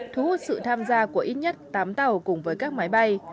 thu hút sự tham gia của ít nhất tám tàu cùng với các máy bay